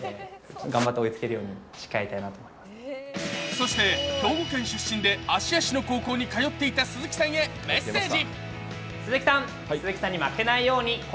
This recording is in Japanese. そして兵庫県出身で芦屋市の高校に通っていた鈴木さんへメッセージ。